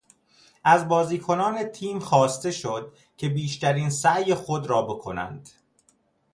از بازیکنان تیم خواسته شد که بیشترین سعی خود را بکنند.